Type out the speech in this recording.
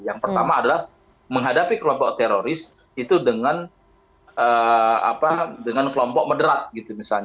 yang pertama adalah menghadapi kelompok teroris itu dengan kelompok mederat gitu misalnya